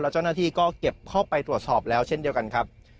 เจ้าหน้าที่ก็เก็บเข้าไปตรวจสอบแล้วเช่นเดียวกันครับ